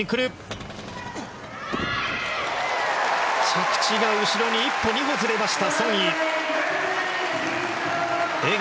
着地が後ろに１歩、２歩ずれました、ソン・イ。